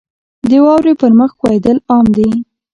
• د واورې پر مخ ښویېدل عام دي.